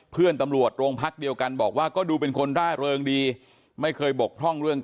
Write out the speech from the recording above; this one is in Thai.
เพื่อนตำรวจโรงพักเดียวกันบอกว่าก็ดูเป็นคนร่าเริงดีไม่เคยบกพร่องเรื่อง